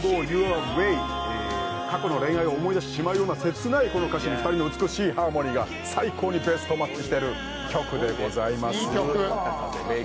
過去の恋愛を思い出してしまうような切ない歌詞に２人の美しいハーモニーが最高にベストマッチしている曲でございます。